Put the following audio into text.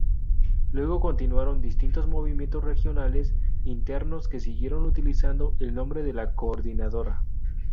Luego continuaron distintos movimientos regionales internos que siguieron utilizando el Nombre de La Coordinadora.